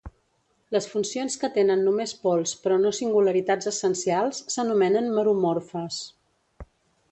Les funcions que tenen només pols però no singularitats essencials s'anomenen meromorfes.